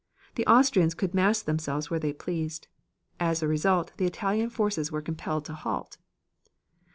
The Austrians could mass themselves where they pleased. As a result the Italian forces were compelled to halt.